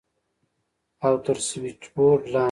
او تر سوېچبورډ لاندې.